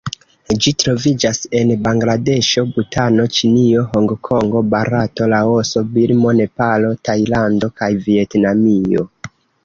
Ĝi troviĝas en Bangladeŝo, Butano, Ĉinio, Hongkongo, Barato, Laoso, Birmo, Nepalo, Tajlando kaj Vjetnamio.